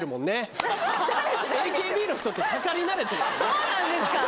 そうなんですか？